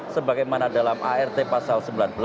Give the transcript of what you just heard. sebagaimana dalam art pasal sembilan belas